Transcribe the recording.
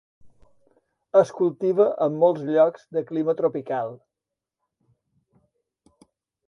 Es cultiva en molts llocs de clima tropical.